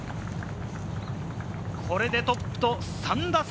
これでトップと３打差。